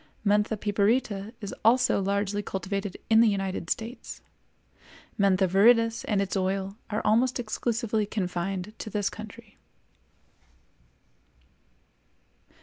Mentha piperita is also largely cultivated in the United States. Mentha viridis and its oil are almost exclusively confined to this country.